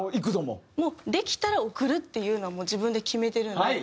もうできたら送るっていうのは自分で決めてるんで。